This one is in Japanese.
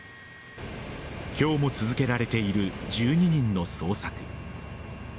今日も続けられている１２人の捜索。